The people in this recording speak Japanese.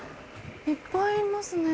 いっぱいいますね。